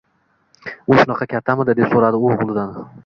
— U shunaqa kattamidi? — deb so‘rabdi u o‘g‘lidan